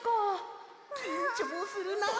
きんちょうするなあ。